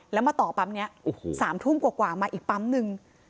แล้วมาต่อปั๊มนี้๓ทุ่มกว่ามาอีกปั๊มนึง